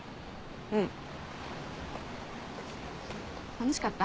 楽しかった？